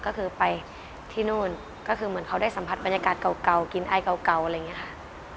ก็คือไปที่นู่นก็คือเหมือนเขาได้สัมผัสบรรยากาศเก่ากินไอเก่าอะไรอย่างนี้ค่ะ